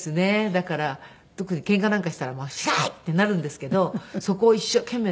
だから特にケンカなんかしたらもう知らないってなるんですけどそこを一生懸命ね。